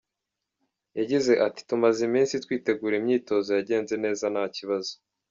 Yagize ati “Tumaze iminsi twitegura, imyitozo yagenze neza nta kibazo.